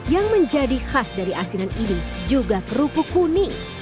yang menjadi khas dari asinan ini juga kerupuk kuning